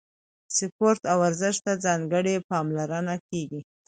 سپورت او ورزش ته ځانګړې پاملرنه کیږي.